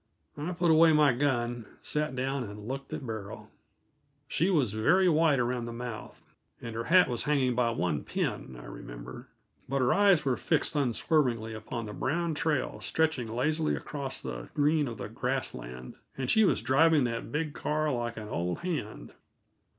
I put away my gun, sat down, and looked at Beryl. She was very white around the mouth, and her hat was hanging by one pin, I remember; but her eyes were fixed unswervingly upon the brown trail stretching lazily across the green of the grass land, and she was driving that big car like an old hand.